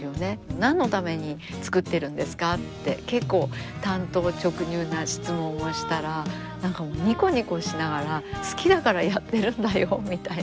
「何のために作ってるんですか？」って結構単刀直入な質問をしたら何かもうニコニコしながら「好きだからやってるんだよ」みたいな。